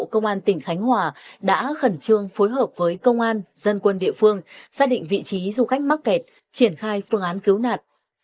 công an tỉnh khánh hòa đã khẩn trương phối hợp với công an dân quân địa phương xác định vị trí du khách mắc kẹt triển khai phương án cứu nạn